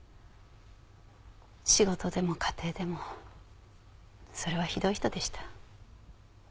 仕事でも家庭でもそれはひどい人でした。